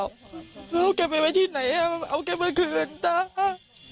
เอาแกไปไปที่ไหนเอาแกมาเกินต้า